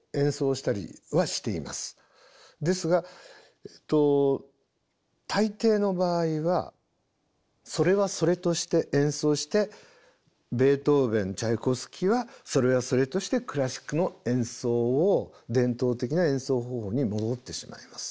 ですが大抵の場合はそれはそれとして演奏してベートーヴェンチャイコフスキーはそれはそれとしてクラシックの演奏を伝統的な演奏方法に戻ってしまいます。